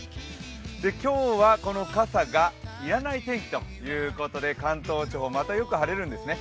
今日は、この傘が要らない天気ということで、関東地方、またよく晴れるんですね